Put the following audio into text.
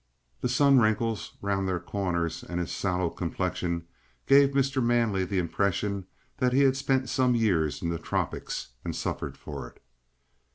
The sun wrinkles round their corners and his sallow complexion gave Mr. Manley the impression that he had spent some years in the tropics and suffered for it.